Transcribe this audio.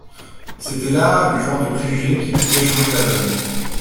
C’était là le genre de préjugé qui pouvait changer la donne.